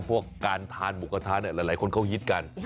พวกการทานหมุกกระทานหลายคนเข้ายิดกัน